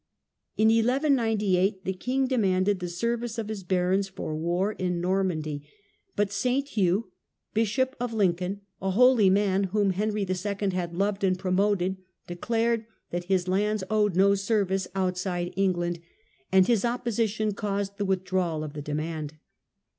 In 1 198 the king demanded the service of his barons for war in Normandy, but WAR WITH FRANCE. 47 S. Hugh, Bishop of Lincoln, a holy man whom Henry H. had loved and promoted, declared that his lands owed no service outside England, and his opposition caused the withdrawal of the demand.